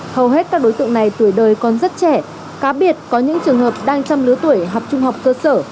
hầu hết các đối tượng này tuổi đời còn rất trẻ cá biệt có những trường hợp đang trong lứa tuổi học trung học cơ sở